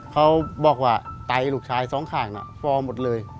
เขาบอกว่าไตลูกชายสองข่างฟอหมดเลย